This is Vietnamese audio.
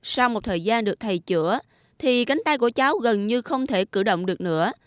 sau một thời gian được thầy chữa thì cánh tay của cháu gần như không thể cử động được nữa